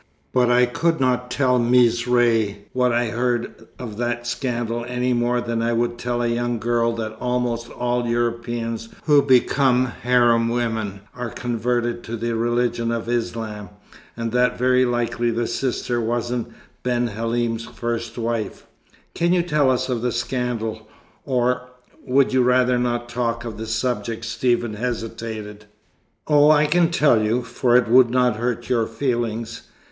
But I could not tell Mees Ray what I had heard of that scandal any more than I would tell a young girl that almost all Europeans who become harem women are converted to the religion of Islam, and that very likely the sister wasn't Ben Halim's first wife." "Can you tell us of the scandal, or would you rather not talk of the subject?" Stephen hesitated. "Oh, I can tell you, for it would not hurt your feelings.